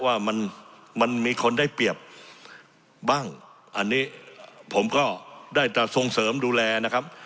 ว่ามันมันมีคนได้เปรียบบ้างอันนี้ผมก็ได้แต่ส่งเสริมดูแลนะครับ